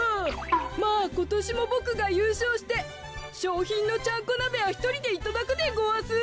まあことしもボクがゆうしょうしてしょうひんのちゃんこなべはひとりでいただくでごわす。